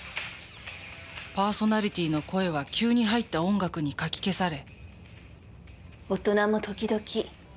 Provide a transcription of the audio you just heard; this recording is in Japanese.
パーソナリティーの声は急に入った音楽にかき消され